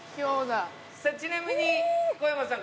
ちなみに小山さん